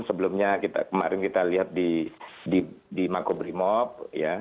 sebelumnya kemarin kita lihat di makobrimob ya